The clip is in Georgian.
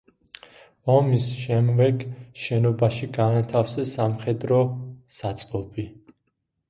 ომის შემვეგ შენობაში განათავსეს სამხედრო საწყობი.